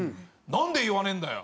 「なんで言わねえんだよ！